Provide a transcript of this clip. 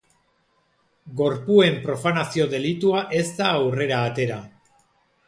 Gorpuen profanazio delitua ez da aurrera atera.